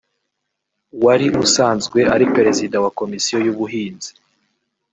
wari usanzwe ari Perezida wa Komisiyo y’Ubuhinzi